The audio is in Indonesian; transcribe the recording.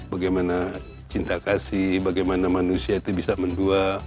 bagaimana cinta kasih bagaimana manusia itu bisa mendua